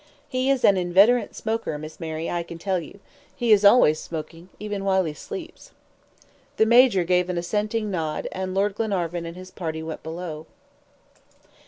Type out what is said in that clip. He is an inveterate smoker, Miss Mary, I can tell you. He is always smoking, even while he sleeps." The Major gave an assenting nod, and Lord Glenarvan and his party went below.